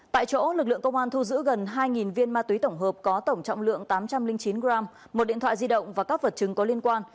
tại chỗ lực lượng công an thu giữ gần hai viên ma túy tổng hợp có tổng trọng lượng tám trăm linh chín g một điện thoại di động và các vật chứng có liên quan